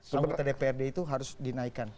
anggota dprd itu harus dinaikkan